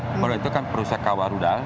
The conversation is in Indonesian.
rudal itu kan perusahaan kawah rudal